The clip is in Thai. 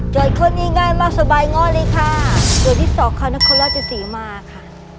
จอดเข้าหนี้ง่ายมากสบายง่อนเลยค่ะตัวเลือกที่สองค่ะนครราชศรีมารค่ะ